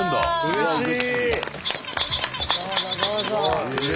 うれしい。